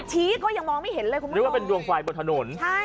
ก็ยังมองไม่เห็นเลยคุณผู้ชมนึกว่าเป็นดวงไฟบนถนนใช่